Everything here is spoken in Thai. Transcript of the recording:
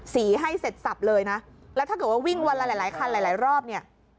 ให้เสร็จสับเลยนะแล้วถ้าเกิดว่าวิ่งวันละหลายหลายคันหลายหลายรอบเนี่ย